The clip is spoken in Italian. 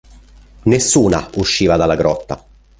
Nessuna usciva dalla grotta.